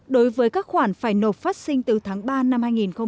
đối với các khoản phải nộp phát sinh từ tháng ba năm hai nghìn hai mươi